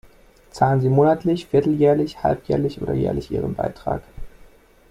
Zahlen sie monatlich, vierteljährlich, halbjährlich oder jährlich ihren Beitrag?